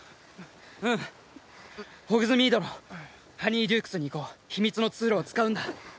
うんホグズミードのハニーデュークスに行こう秘密の通路を使うんだ